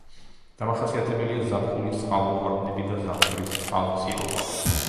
დამახასიათებელია ზაფხულის წყალმოვარდნები და ზამთრის წყალმცირობა.